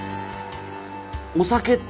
お酒って。